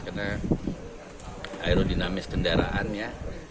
karena aerodinamis kendaraannya